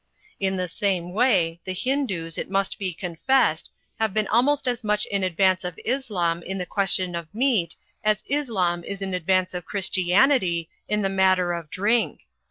In the same way the Hindoos, it must be confessed, have been almost as much in advance of Islam in the question of meat as Islam is in advance of Christianity in the matter of drink.